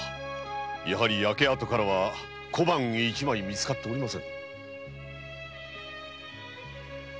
やはり焼け跡からは小判一枚みつかっておりません。